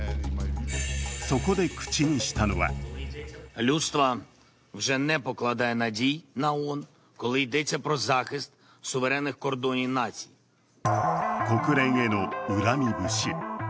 そこで口にしたのは国連への恨み節。